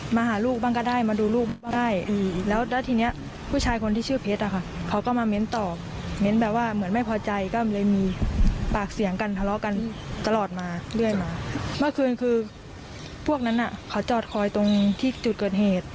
เมื่อคืนคือพวกนั้นน่ะเขาจอดคอยตรงที่จุดเกิดเหตุ